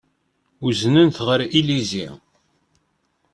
Uznen-t ɣer Illizi.